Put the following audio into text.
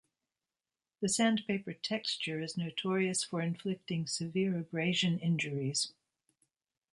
The sandpaper texture is notorious for inflicting severe abrasion injuries.